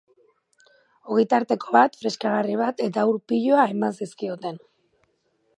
Ogitarteko bat, freskagarri bat eta ur piloa eman zizkioten.